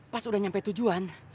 pas udah nyampe tujuan